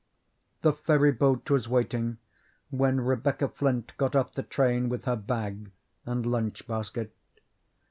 The ferry boat was waiting when Rebecca Flint got off the train with her bag and lunch basket.